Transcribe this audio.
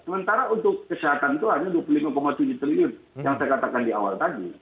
sementara untuk kesehatan itu hanya dua puluh lima tujuh triliun yang saya katakan di awal tadi